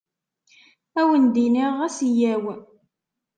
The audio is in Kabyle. Ad wen-d-iniɣ ɣas yyaw.